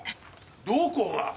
どこが？